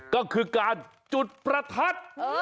ก็คือการจุดประทัด